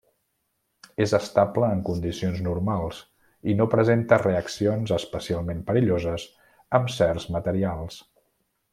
És estable en condicions normals i no presenta reaccions especialment perilloses amb certs materials.